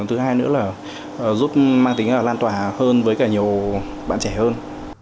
thứ hai nữa là giúp mang tính là lan tỏa hơn với cả nhiều bạn trẻ hơn